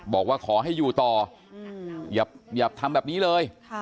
บอกว่าขอให้อยู่ต่อยซับสุนวัดให้อย่าทำแบบนี้เลย